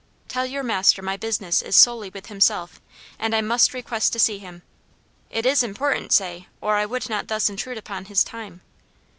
"Tell your master my business is solely with himself, and I must request to see him. It is important, say, or I would not thus intrude upon his time."